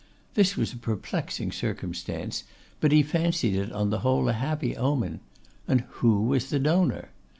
This was a perplexing circumstance, but he fancied it on the whole a happy omen. And who was the donor?